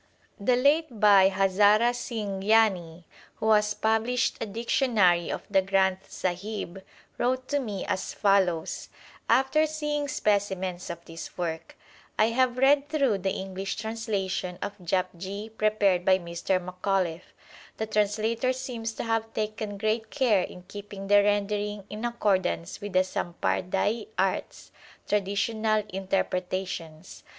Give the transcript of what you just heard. The late Bhai Hazara Singh Gyani, who has pub lished a Dictionary of the Granth Sahib, wrote to me as follows, after seeing specimens of this work : I have read through the English translation of Japji prepared by Mr. Macauliffe. The translator seems to have PREFACE xiii taken great care in keeping the rendering in accordance with the Sampardai arths (traditional interpretations).